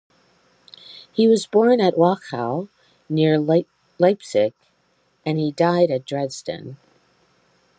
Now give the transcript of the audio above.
He was born at Wachau near Leipzig, and he died at Dresden.